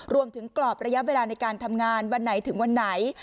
กรอบระยะเวลาในการทำงานวันไหนถึงวันไหน